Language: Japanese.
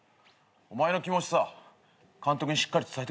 お前の気持ちさ監督にしっかり伝えてこいよ。